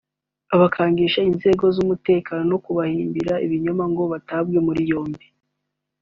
abakangisha inzego z’umutekano no kubahimbira ibinyoma ngo batabwe muri yombi